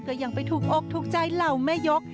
ก็ยังไปถูกอกถูกใจเหล่าแม่ยก